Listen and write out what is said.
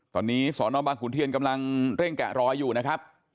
ตอนนี้สอนอบางขุนเทียนกำลังเร่งแกะรอยอยู่นะครับ